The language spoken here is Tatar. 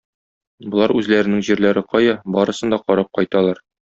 Болар үзләренең җирләре кая, барысын да карап кайталар.